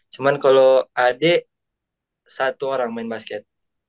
cuma kalau adik satu orang main basket